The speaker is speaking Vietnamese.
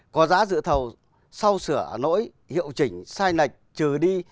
có giá dự thầu sau sửa nỗi hiệu chỉnh sai nạch trừ đi